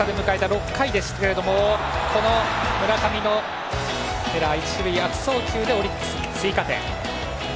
６回この村上のエラー、一塁悪送球でオリックスに追加点。